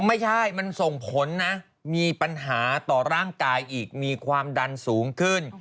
ไม่ใช่มันส่งผลนะมีปัญหาต่อร่างกายอีกมีความดันสูงขึ้น